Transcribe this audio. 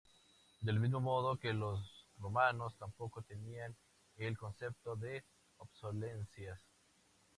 Del mismo modo que los romanos tampoco tenían el concepto de obsolescencia.